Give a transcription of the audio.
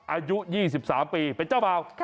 อายุ๒๓ปีเป็นเจ้าบ่าว